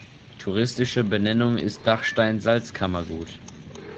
Touristische Benennung ist Dachstein Salzkammergut.